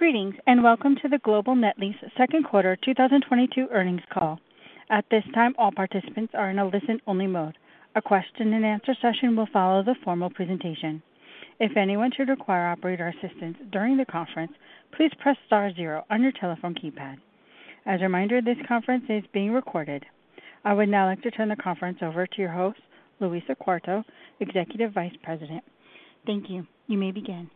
Greetings, and welcome to the Global Net Lease Second Quarter 2022 Earnings Call. At this time, all participants are in a listen-only mode. A question-and-answer session will follow the formal presentation. If anyone should require operator assistance during the conference, please press star zero on your telephone keypad. As a reminder, this conference is being recorded. I would now like to turn the conference over to your host, Louisa Quarto, Executive Vice President. Thank you. You may begin.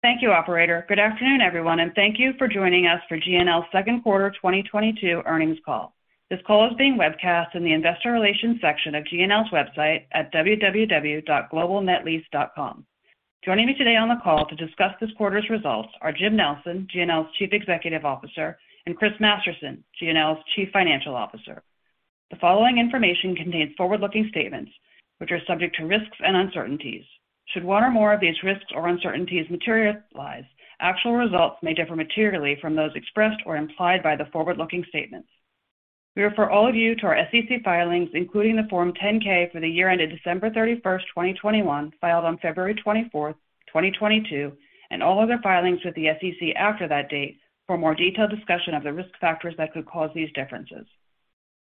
Thank you, operator. Good afternoon, everyone, and thank you for joining us for GNL's second quarter 2022 earnings call. This call is being webcast in the investor relations section of GNL's website at www.globalnetlease.com. Joining me today on the call to discuss this quarter's results are Jim Nelson, GNL's Chief Executive Officer, and Christopher Masterson, GNL's Chief Financial Officer. The following information contains forward-looking statements which are subject to risks and uncertainties. Should one or more of these risks or uncertainties materialize, actual results may differ materially from those expressed or implied by the forward-looking statements. We refer all of you to our SEC filings, including the Form 10-K for the year ended December 31st, 2021, filed on February 24th, 2022, and all other filings with the SEC after that date for more detailed discussion of the risk factors that could cause these differences.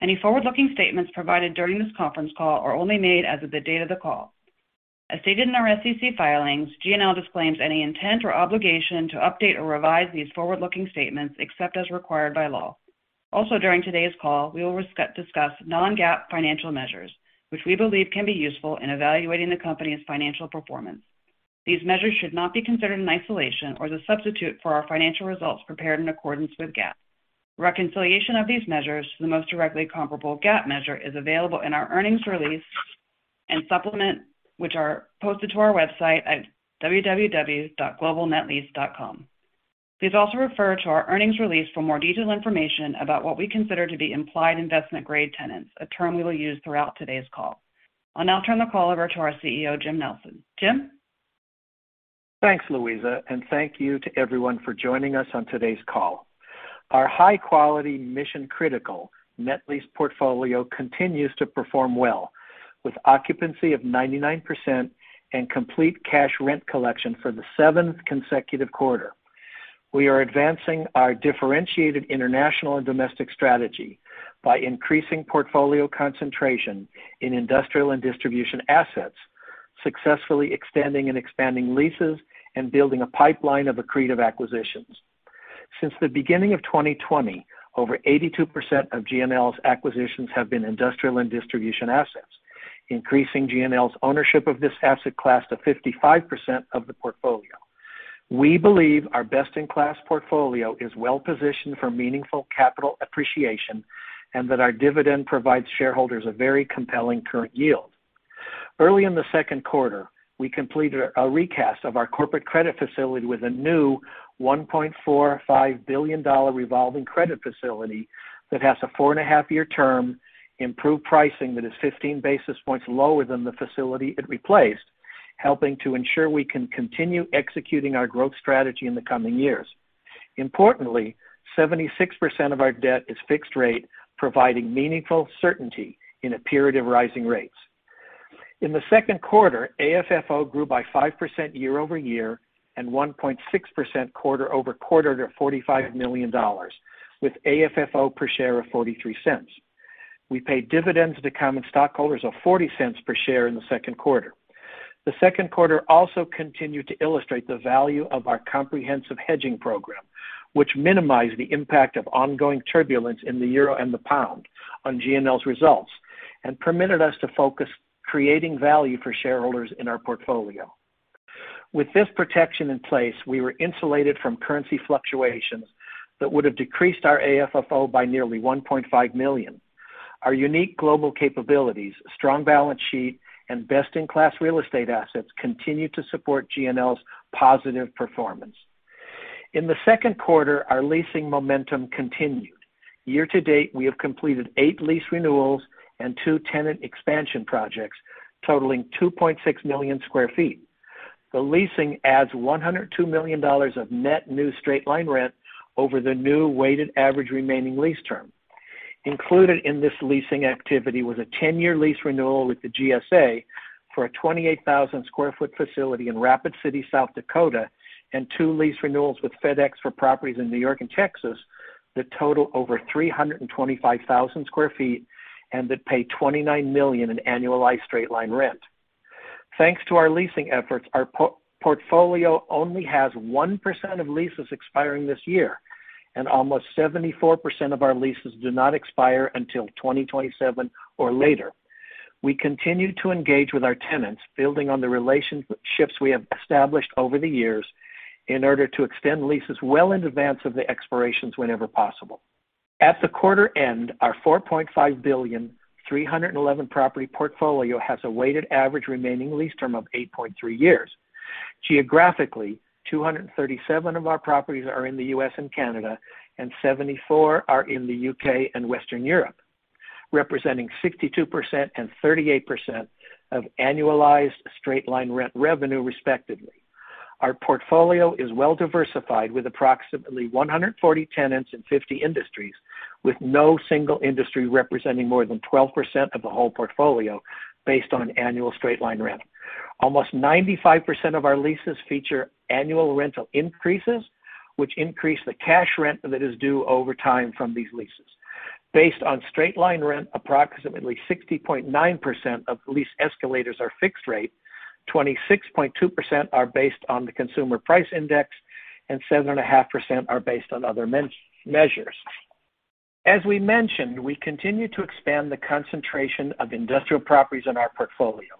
Any forward-looking statements provided during this conference call are only made as of the date of the call. As stated in our SEC filings, GNL disclaims any intent or obligation to update or revise these forward-looking statements except as required by law. Also, during today's call, we will discuss non-GAAP financial measures, which we believe can be useful in evaluating the company's financial performance. These measures should not be considered in isolation or as a substitute for our financial results prepared in accordance with GAAP. Reconciliation of these measures to the most directly comparable GAAP measure is available in our earnings release and supplement, which are posted to our website at www.globalnetlease.com. Please also refer to our earnings release for more detailed information about what we consider to be implied investment-grade tenants, a term we will use throughout today's call. I'll now turn the call over to our CEO, Jim Nelson. Jim? Thanks, Louisa, and thank you to everyone for joining us on today's call. Our high-quality mission-critical net lease portfolio continues to perform well, with occupancy of 99% and complete cash rent collection for the seventh consecutive quarter. We are advancing our differentiated international and domestic strategy by increasing portfolio concentration in industrial and distribution assets, successfully extending and expanding leases, and building a pipeline of accretive acquisitions. Since the beginning of 2020, over 82% of GNL's acquisitions have been industrial and distribution assets, increasing GNL's ownership of this asset class to 55% of the portfolio. We believe our best-in-class portfolio is well positioned for meaningful capital appreciation and that our dividend provides shareholders a very compelling current yield. Early in the second quarter, we completed a recast of our corporate credit facility with a new $1.45 billion revolving credit facility that has a 4.5-year term, improved pricing that is 15 basis points lower than the facility it replaced, helping to ensure we can continue executing our growth strategy in the coming years. Importantly, 76% of our debt is fixed rate, providing meaningful certainty in a period of rising rates. In the second quarter, AFFO grew by 5% year-over-year and 1.6% quarter-over-quarter to $45 million with AFFO per share of $0.43. We paid dividends to the common stockholders of $0.40 per share in the second quarter. The second quarter also continued to illustrate the value of our comprehensive hedging program, which minimized the impact of ongoing turbulence in the euro and the pound on GNL's results and permitted us to focus on creating value for shareholders in our portfolio. With this protection in place, we were insulated from currency fluctuations that would have decreased our AFFO by nearly $1.5 million. Our unique global capabilities, strong balance sheet, and best-in-class real estate assets continue to support GNL's positive performance. In the second quarter, our leasing momentum continued. Year-to-date, we have completed eight lease renewals and two tenant expansion projects totaling 2.6 million sq ft. The leasing adds $102 million of net new straight-line rent over the new weighted average remaining lease term. Included in this leasing activity was a 10-year lease renewal with the GSA for a 28,000 sq ft facility in Rapid City, South Dakota, and two lease renewals with FedEx for properties in New York and Texas that total over 325,000 sq ft and that pay $29 million in annualized straight-line rent. Thanks to our leasing efforts, our portfolio only has 1% of leases expiring this year, and almost 74% of our leases do not expire until 2027 or later. We continue to engage with our tenants, building on the relationships we have established over the years in order to extend leases well in advance of the expirations whenever possible. At the quarter end, our $4.5 billion, 311-property portfolio has a weighted average remaining lease term of 8.3 years. Geographically, 237 of our properties are in the U.S. and Canada, and 74 are in the U.K. and Western Europe, representing 62% and 38% of annualized straight-line rent revenue respectively. Our portfolio is well diversified with approximately 140 tenants in 50 industries, with no single industry representing more than 12% of the whole portfolio based on annual straight-line rent. Almost 95% of our leases feature annual rental increases, which increase the cash rent that is due over time from these leases. Based on straight-line rent, approximately 60.9% of lease escalators are fixed rate, 26.2% are based on the Consumer Price Index, and 7.5% are based on other measures. As we mentioned, we continue to expand the concentration of industrial properties in our portfolio.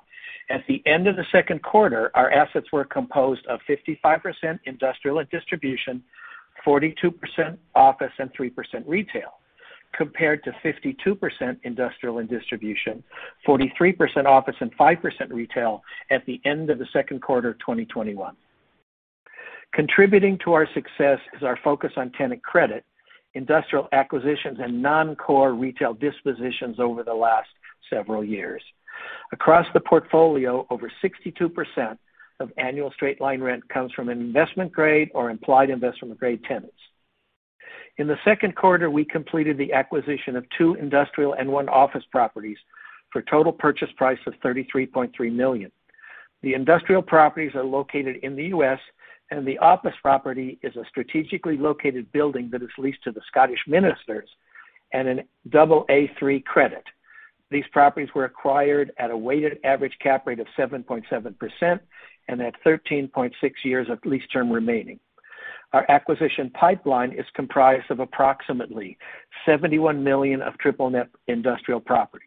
At the end of the second quarter, our assets were composed of 55% industrial and distribution, 42% office, and 3% retail, compared to 52% industrial and distribution, 43% office, and 5% retail at the end of the second quarter of 2021. Contributing to our success is our focus on tenant credit, industrial acquisitions, and non-core retail dispositions over the last several years. Across the portfolio, over 62% of annual straight-line rent comes from investment grade or implied investment grade tenants. In the second quarter, we completed the acquisition of two industrial and one office properties for total purchase price of $33.3 million. The industrial properties are located in the U.S., and the office property is a strategically located building that is leased to the Scottish Ministers and an Aa3 credit. These properties were acquired at a weighted average cap rate of 7.7% and at 13.6 years of lease term remaining. Our acquisition pipeline is comprised of approximately $71 million of triple net industrial property.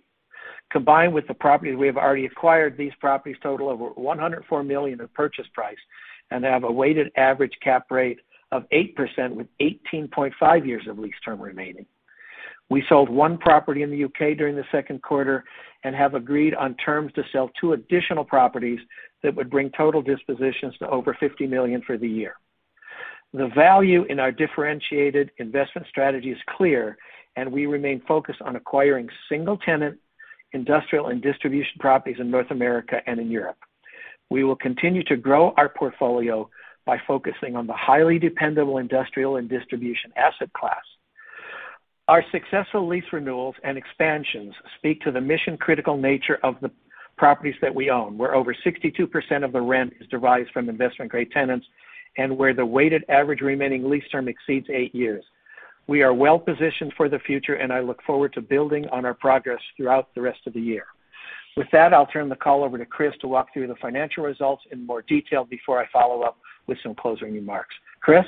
Combined with the property we have already acquired, these properties total over $104 million in purchase price and have a weighted average cap rate of 8% with 18.5 years of lease term remaining. We sold one property in the U.K. during the second quarter and have agreed on terms to sell two additional properties that would bring total dispositions to over $50 million for the year. The value in our differentiated investment strategy is clear, and we remain focused on acquiring single tenant industrial and distribution properties in North America and in Europe. We will continue to grow our portfolio by focusing on the highly dependable industrial and distribution asset class. Our successful lease renewals and expansions speak to the mission-critical nature of the properties that we own, where over 62% of the rent is derived from investment grade tenants and where the weighted average remaining lease term exceeds eight years. We are well positioned for the future, and I look forward to building on our progress throughout the rest of the year. With that, I'll turn the call over to Chris to walk through the financial results in more detail before I follow up with some closing remarks. Chris?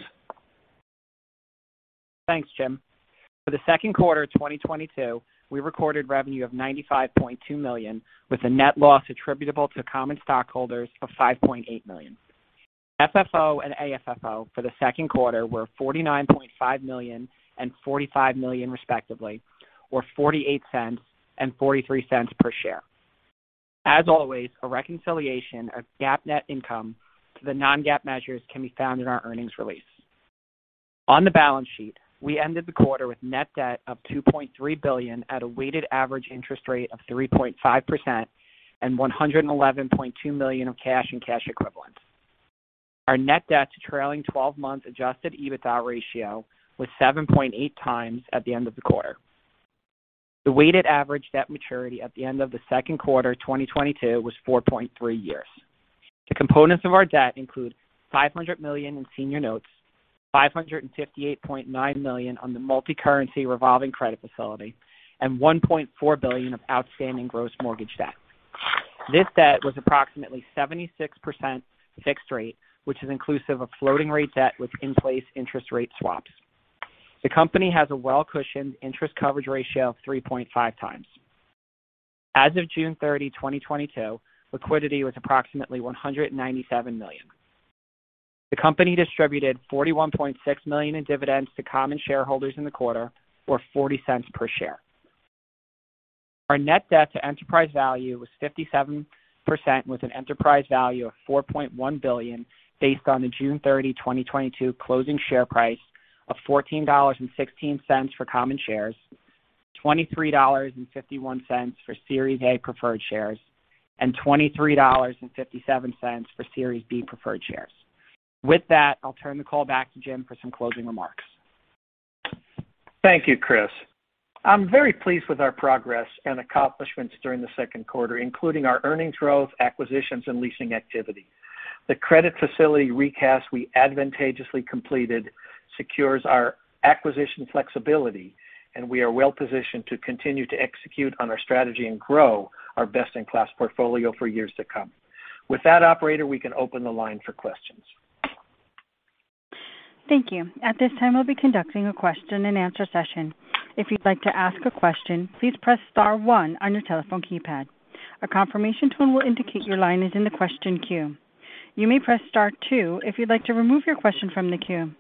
Thanks, Jim. For the second quarter of 2022, we recorded revenue of $95.2 million, with a net loss attributable to common stockholders of $5.8 million. FFO and AFFO for the second quarter were $49.5 million and $45 million, respectively, or $0.48 and $0.43 per share. As always, a reconciliation of GAAP net income to the non-GAAP measures can be found in our earnings release. On the balance sheet, we ended the quarter with net debt of $2.3 billion at a weighted average interest rate of 3.5% and $111.2 million of cash and cash equivalents. Our net debt to trailing 12-month Adjusted EBITDA ratio was 7.8x at the end of the quarter. The weighted average debt maturity at the end of the second quarter of 2022 was 4.3 years. The components of our debt include $500 million in senior notes, $558.9 million on the multicurrency revolving credit facility, and $1.4 billion of outstanding gross mortgage debt. This debt was approximately 76% fixed rate, which is inclusive of floating rate debt with in-place interest rate swaps. The company has a well-cushioned interest coverage ratio of 3.5x. As of June 30, 2022, liquidity was approximately $197 million. The company distributed $41.6 million in dividends to common shareholders in the quarter, or $0.40 per share. Our net debt to enterprise value was 57%, with an enterprise value of $4.1 billion based on the June 30, 2022 closing share price of $14.16 for common shares, $23.51 for Series A preferred shares, and $23.57 for Series B preferred shares. With that, I'll turn the call back to Jim for some closing remarks. Thank you, Chris. I'm very pleased with our progress and accomplishments during the second quarter, including our earnings growth, acquisitions, and leasing activity. The credit facility recast we advantageously completed secures our acquisition flexibility, and we are well positioned to continue to execute on our strategy and grow our best-in-class portfolio for years to come. With that, operator, we can open the line for questions. Thank you. At this time, we'll be conducting a question and answer session. If you'd like to ask a question, please press star one on your telephone keypad. A confirmation tone will indicate your line is in the question queue. You may press star two if you'd like to remove your question from the queue.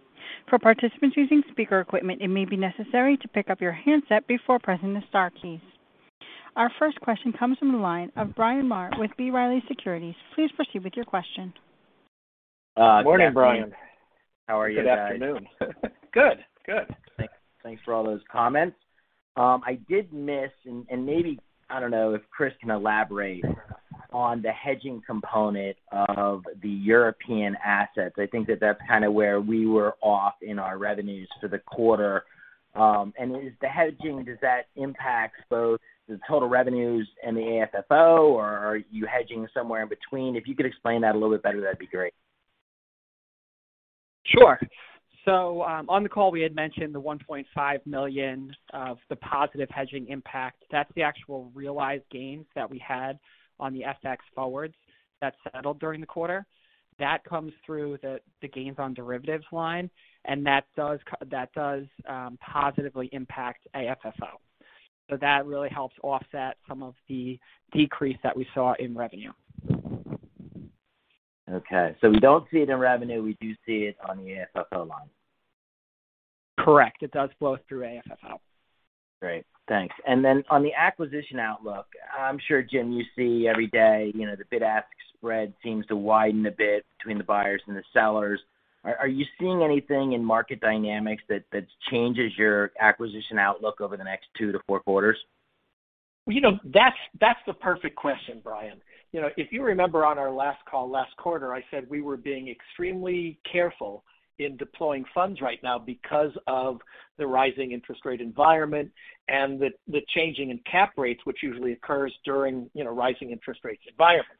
For participants using speaker equipment, it may be necessary to pick up your handset before pressing the star keys. Our first question comes from the line of Bryan Maher with B. Riley Securities. Please proceed with your question. Morning, Bryan. How are you guys? Good afternoon. Good. Thanks for all those comments. I did miss, and maybe I don't know if Chris can elaborate on the hedging component of the European assets. I think that's kind of where we were off in our revenues for the quarter. Is the hedging, does that impact both the total revenues and the AFFO, or are you hedging somewhere in between? If you could explain that a little bit better, that'd be great. Sure. On the call, we had mentioned the $1.5 million of the positive hedging impact. That's the actual realized gains that we had on the FX forwards that settled during the quarter. That comes through the gains on derivatives line, and that does positively impact AFFO. That really helps offset some of the decrease that we saw in revenue. Okay. We don't see it in revenue, we do see it on the AFFO line. Correct. It does flow through AFFO. Great. Thanks. On the acquisition outlook, I'm sure, Jim, you see every day, you know, the bid-ask spread seems to widen a bit between the buyers and the sellers. Are you seeing anything in market dynamics that changes your acquisition outlook over the next two to four quarters? You know, that's the perfect question, Bryan. You know, if you remember on our last call last quarter, I said we were being extremely careful in deploying funds right now because of the rising interest rate environment and the changing in cap rates, which usually occurs during, you know, rising interest rates environments.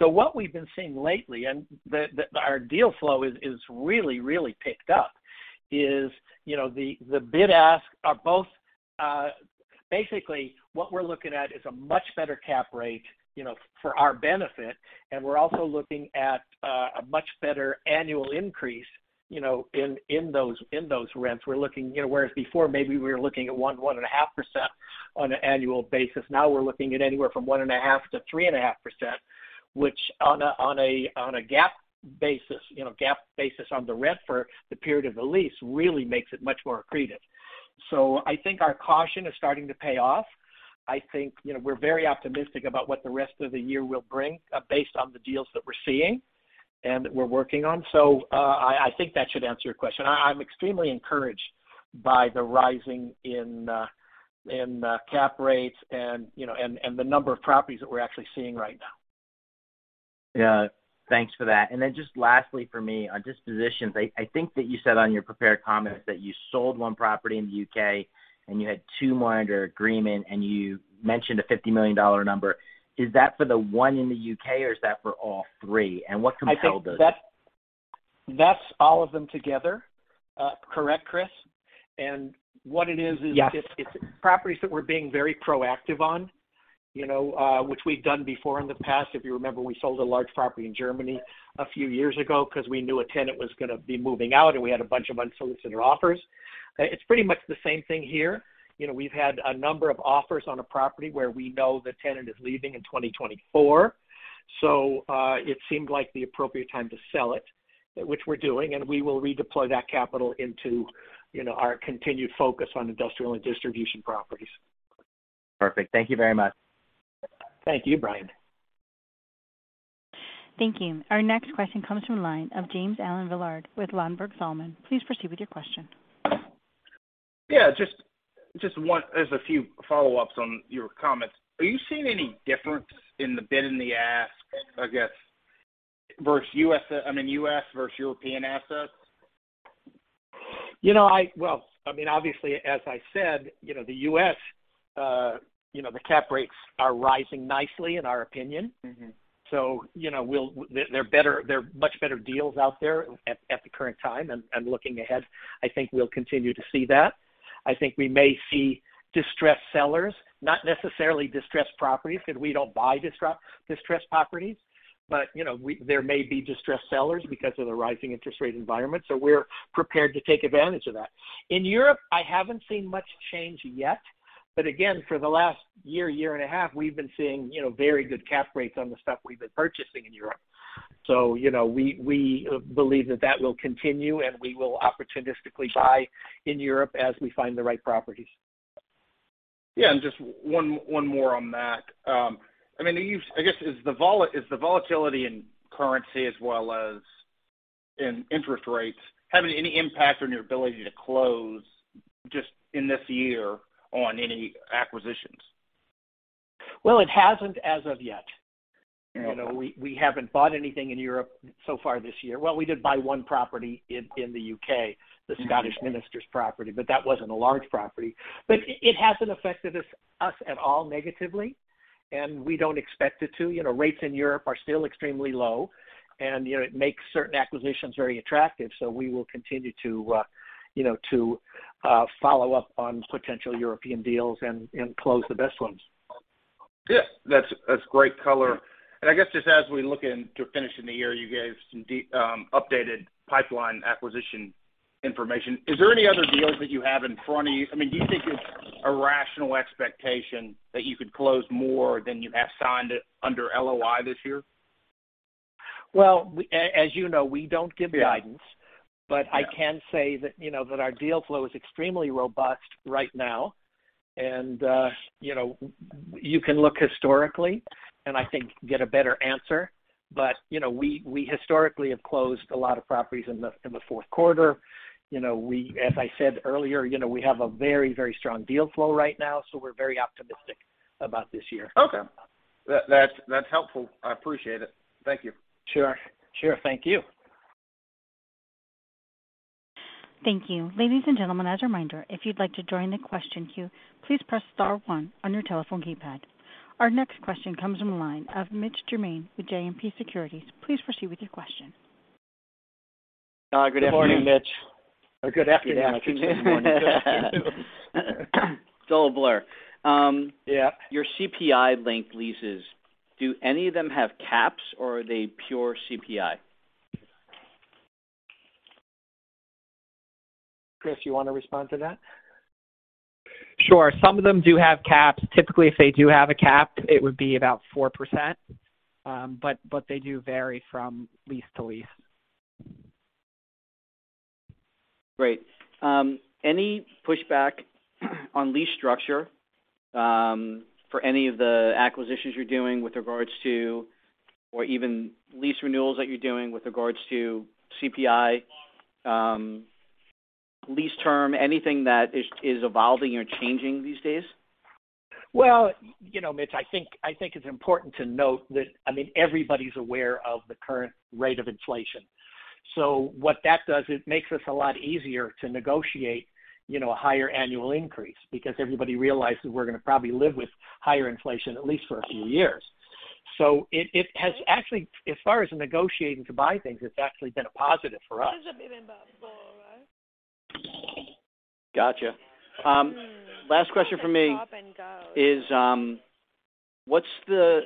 What we've been seeing lately, our deal flow is really picked up, you know, the bid-ask are both, basically what we're looking at is a much better cap rate, you know, for our benefit, and we're also looking at a much better annual increase, you know, in those rents. We're looking, you know, whereas before maybe we were looking at 1.5% on an annual basis. Now we're looking at anywhere from 1.5%-3.5%, which on a GAAP basis, you know, on the rent for the period of the lease, really makes it much more accretive. I think our caution is starting to pay off. I think, you know, we're very optimistic about what the rest of the year will bring based on the deals that we're seeing and that we're working on. I think that should answer your question. I'm extremely encouraged by the rising cap rates and, you know, the number of properties that we're actually seeing right now. Yeah. Thanks for that. Then just lastly for me on dispositions, I think that you said on your prepared comments that you sold one property in the U.K., and you had two more under agreement, and you mentioned a $50 million number. Is that for the one in the U.K. or is that for all three? What compelled those? I think that's all of them together. Correct, Chris? What it is is- Yes. It's properties that we're being very proactive on, you know, which we've done before in the past. If you remember, we sold a large property in Germany a few years ago because we knew a tenant was gonna be moving out, and we had a bunch of unsolicited offers. It's pretty much the same thing here. You know, we've had a number of offers on a property where we know the tenant is leaving in 2024. It seemed like the appropriate time to sell it, which we're doing, and we will redeploy that capital into, you know, our continued focus on industrial and distribution properties. Perfect. Thank you very much. Thank you, Bryan. Thank you. Our next question comes from line of James Allen Villard with Ladenburg Thalmann. Please proceed with your question. Just one. There's a few follow-ups on your comments. Are you seeing any difference in the bid and the ask, I guess, versus U.S., I mean, U.S. versus European assets? You know, well, I mean, obviously, as I said, you know, the U.S., you know, the cap rates are rising nicely in our opinion. Mm-hmm. There are much better deals out there at the current time. Looking ahead, I think we'll continue to see that. I think we may see distressed sellers, not necessarily distressed properties, because we don't buy distressed properties. You know, there may be distressed sellers because of the rising interest rate environment, so we're prepared to take advantage of that. In Europe, I haven't seen much change yet. Again, for the last year and a half, we've been seeing, you know, very good cap rates on the stuff we've been purchasing in Europe. You know, we believe that will continue, and we will opportunistically buy in Europe as we find the right properties. Yeah. Just one more on that. I mean, is the volatility in currency as well as in interest rates having any impact on your ability to close just in this year on any acquisitions? Well, it hasn't as of yet. Okay. You know, we haven't bought anything in Europe so far this year. Well, we did buy one property in the U.K., the Scottish Ministers property, but that wasn't a large property. It hasn't affected us at all negatively, and we don't expect it to. You know, rates in Europe are still extremely low, and you know, it makes certain acquisitions very attractive. We will continue to, you know, follow up on potential European deals and close the best ones. Yeah. That's great color. I guess just as we look into finishing the year, you gave some updated pipeline acquisition information. Is there any other deals that you have in front of you? I mean, do you think it's a rational expectation that you could close more than you have signed under LOI this year? Well, as you know, we don't give guidance. Yeah. I can say that, you know, that our deal flow is extremely robust right now. You know, you can look historically and I think get a better answer. You know, we historically have closed a lot of properties in the fourth quarter. You know, as I said earlier, you know, we have a very strong deal flow right now, so we're very optimistic about this year. Okay. That's helpful. I appreciate it. Thank you. Sure. Sure, thank you. Thank you. Ladies and gentlemen, as a reminder, if you'd like to join the question queue, please press star one on your telephone keypad. Our next question comes from the line of Mitch Germain with JMP Securities. Please proceed with your question. Good afternoon. Good morning, Mitch. Or good afternoon, I should say. Good morning to you too. It's all a blur. Yeah. Your CPI-linked leases, do any of them have caps or are they pure CPI? Chris, you wanna respond to that? Sure. Some of them do have caps. Typically, if they do have a cap, it would be about 4%. But they do vary from lease to lease. Great. Any pushback on lease structure for any of the acquisitions you're doing with regards to or even lease renewals that you're doing with regards to CPI, lease term, anything that is evolving or changing these days? Well, you know, Mitch, I think it's important to note that, I mean, everybody's aware of the current rate of inflation. What that does, it makes us a lot easier to negotiate, you know, a higher annual increase because everybody realizes we're gonna probably live with higher inflation at least for a few years. It has actually, as far as negotiating to buy things, it's actually been a positive for us. Gotcha. Last question from me is, what's the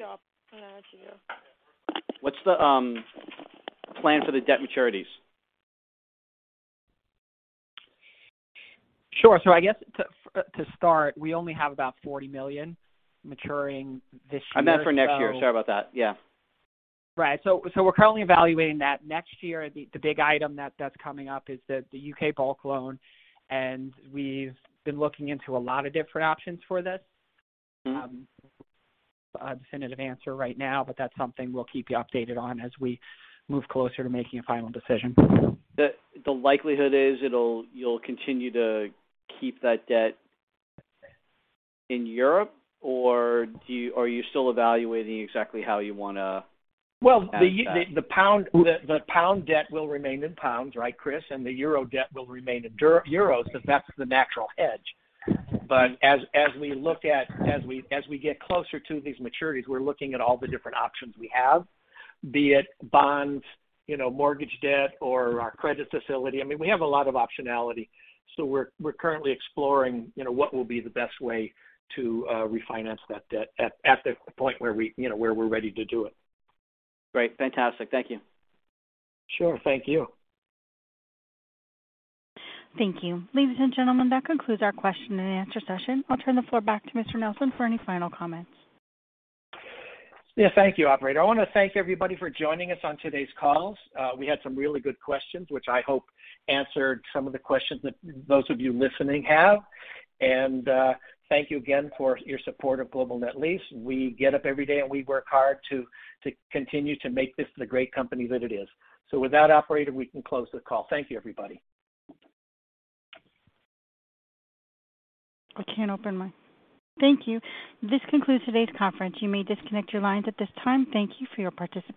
plan for the debt maturities? Sure. I guess to start, we only have about $40 million maturing this year. I meant for next year. Sorry about that. Yeah. Right. We're currently evaluating that. Next year, the big item that's coming up is the U.K. bulk loan, and we've been looking into a lot of different options for this. Mm-hmm. A definitive answer right now, but that's something we'll keep you updated on as we move closer to making a final decision. The likelihood is you'll continue to keep that debt in Europe, or are you still evaluating exactly how you wanna- Well, the pound debt will remain in pounds, right, Chris? The euro debt will remain in euros, so that's the natural hedge. As we look at, as we get closer to these maturities, we're looking at all the different options we have, be it bond, you know, mortgage debt or our credit facility. I mean, we have a lot of optionality. We're currently exploring, you know, what will be the best way to refinance that debt at the point where we, you know, where we're ready to do it. Great. Fantastic. Thank you. Sure. Thank you. Thank you. Ladies and gentlemen, that concludes our question and answer session. I'll turn the floor back to Mr. Nelson for any final comments. Yeah. Thank you, operator. I wanna thank everybody for joining us on today's call. We had some really good questions, which I hope answered some of the questions that those of you listening have. Thank you again for your support of Global Net Lease. We get up every day, and we work hard to continue to make this the great company that it is. With that, operator, we can close the call. Thank you, everybody. Thank you. This concludes today's conference. You may disconnect your lines at this time. Thank you for your participation.